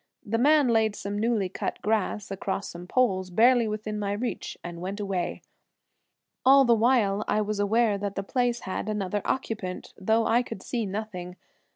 The man laid some newly cut grass across some poles, barely within my reach, and went away. All the while I was aware that the place had another occupant, though I could see nothing.